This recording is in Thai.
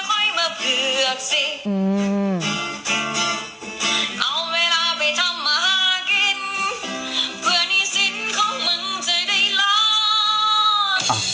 เพื่อนีสินของมันจะได้ร้อน